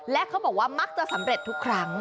และเขาบอกว่ามักจะสำเร็จทุกครั้ง